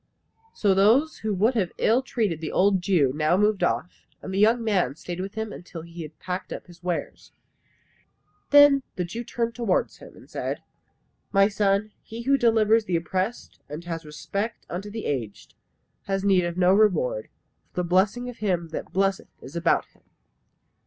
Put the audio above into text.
So those who would have ill treated the old Jew now moved off, and the young man stayed with him till he had packed up his wares. Then the Jew turned towards him and said, "My son, he who delivers the oppressed, and has respect unto the aged, has need of no reward, for the blessing of Him that blesseth is about him.